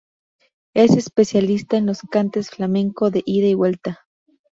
Es especialista en los cantes flamenco de ida y vuelta.